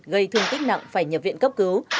gây thương tích nặng phải nhập viện cấp cứu